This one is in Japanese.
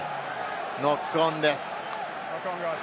ノックオンです。